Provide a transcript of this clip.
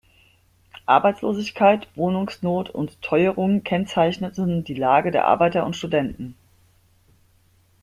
Arbeitslosigkeit, Wohnungsnot und Teuerung kennzeichneten die Lage der Arbeiter und Studenten.